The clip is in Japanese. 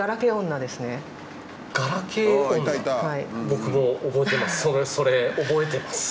僕も覚えてます